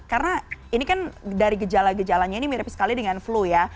karena ini kan dari gejala gejalanya ini mirip sekali dengan flu ya